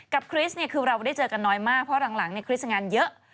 คริสต์คือเราได้เจอกันน้อยมากเพราะหลังคริสต์งานเยอะ